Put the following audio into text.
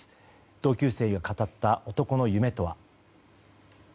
同級生が語った男の夢とは。